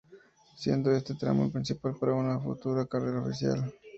Siendo este tramo el principal para una futura carrera oficial.